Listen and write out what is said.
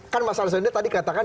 kan mas arswendo tadi katakan